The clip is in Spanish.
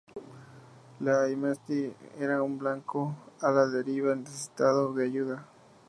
La "Amethyst" era un blanco a la deriva necesitado de ayuda.